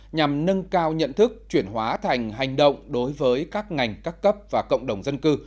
nhằm nâng cao nhận thức chuyển hóa thành hành động đối với các ngành các cấp và cộng đồng dân cư